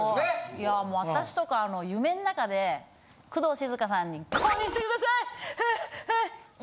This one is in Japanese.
いや私とか夢の中で工藤静香さんに公認してください！